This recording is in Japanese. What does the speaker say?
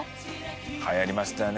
流行りましたよね